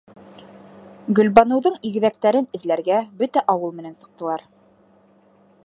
Гөлбаныуҙың игеҙәктәрен эҙләргә бөтә ауыл менән сыҡтылар.